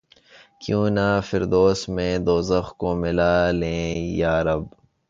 کیوں نہ فردوس میں دوزخ کو ملا لیں یارب!